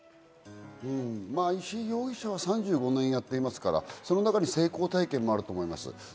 石井容疑者は３５年やっていますから、その中に成功体験もあると思います。